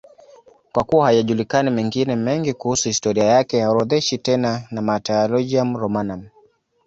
Kwa kuwa hayajulikani mengine mengi kuhusu historia yake, haorodheshwi tena na Martyrologium Romanum.